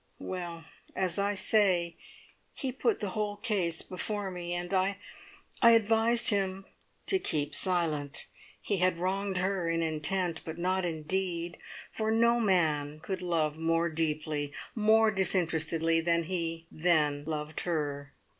Well, as I say, he put the whole case before me, and I I advised him to keep silent. He had wronged her in intent, but not in deed, for no man could love more deeply, more disinterestedly than he then loved her.